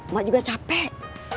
mak juga capek